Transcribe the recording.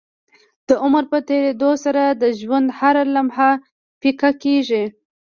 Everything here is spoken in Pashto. د عمر په تيريدو سره د ژوند هره لمحه پيکه کيږي